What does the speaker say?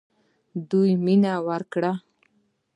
دوی ته مینه ورکړئ